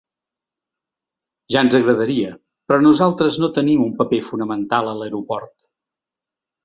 Ja ens agradaria, però nosaltres no tenim un paper fonamental a l’aeroport.